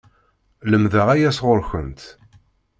Lemdeɣ aya sɣur-kent!